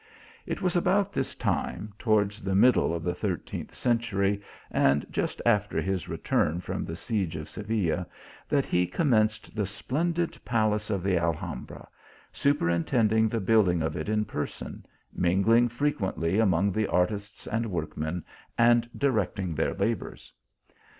It was about this time, towards the middle of the thirteenth century, and just after his return from the siege of Seville, that he commenced the splendid palace of the Alhambra : superintending the build ing of it in person, mingling frequently among the artists and workmen, and directing their labours.